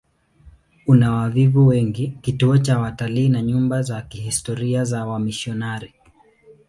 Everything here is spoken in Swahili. Una wavuvi wengi, kituo cha watalii na nyumba za kihistoria za wamisionari.